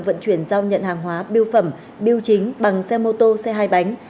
vận chuyển giao nhận hàng hóa biêu phẩm biểu chính bằng xe mô tô xe hai bánh